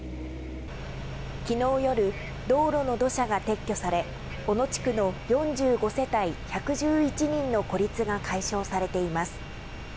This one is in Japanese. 昨日夜、道路の土砂が撤去され小野地区の４５世帯１１１人の孤立が解消されています。